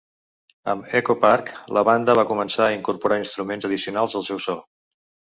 Amb "Echo Park", la banda va començar a incorporar instruments addicionals al seu so.